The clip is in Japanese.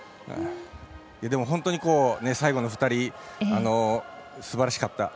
でも、最後の２人すばらしかった。